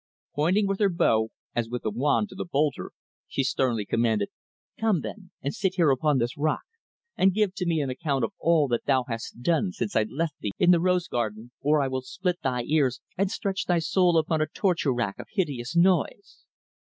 Pointing with her bow as with a wand to the boulder, she sternly commanded, "Come, then, and sit here upon this rock; and give to me an account of all that thou hast done since I left thee in the rose garden or I will split thy ears and stretch thy soul upon a torture rack of hideous noise."